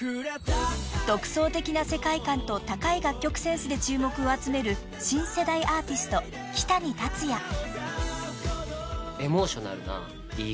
［独創的な世界観と高い楽曲センスで注目を集める新世代アーティストキタニタツヤ］